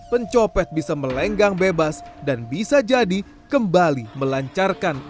pencopet bisa melenggang bebas dan bisa jadi kembali melancarkan